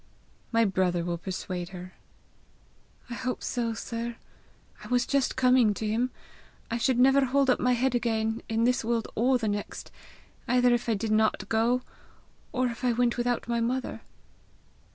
"My brother will persuade her." "I hope so, sir. I was just coming to him! I should never hold up my head again in this world or the next either if I did not go, or if I went without my mother!